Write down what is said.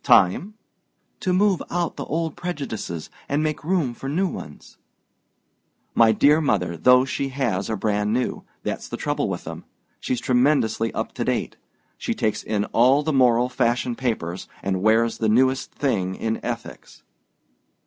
"Time?" "To move out the old prejudices and make room for new ones." "My dear mother, those she has are brand new; that's the trouble with them. She's tremendously up to date. She takes in all the moral fashion papers, and wears the newest thing in ethics."